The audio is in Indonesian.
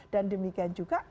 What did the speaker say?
dan demikian juga